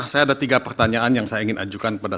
saya ada tiga pertanyaan yang saya ingin ajukan pada